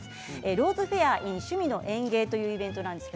「ローズフェアｗｉｔｈ趣味の園芸」というイベントです。